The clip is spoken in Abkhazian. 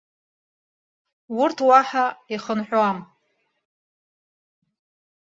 Урҭ уаҳа ихынҳәуам.